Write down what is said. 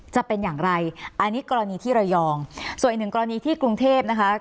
จะเป็นอย่างไรอันนี้กรณีที่ระยองส่วนอีกหนึ่งกรณีที่กรุงเทพนะคะ